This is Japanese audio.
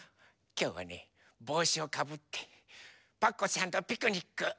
きょうはねぼうしをかぶってパクこさんとピクニック。